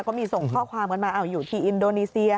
ก็มีส่งข้อความกันมาอยู่ที่อินโดนีเซีย